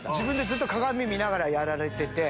ずっと鏡見ながらやられてて。